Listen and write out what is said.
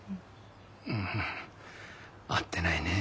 うん会ってないねえ。